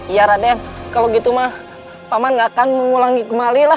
iya raden kalau begitu paman tidak akan mengulangi kembali